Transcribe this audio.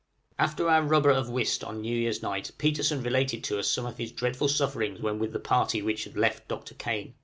After our rubber of whist on New Year's night Petersen related to us some of his dreadful sufferings when with the party which had left Dr. Kane.